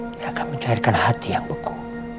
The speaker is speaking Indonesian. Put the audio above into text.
yang akan mencairkan hati yang beku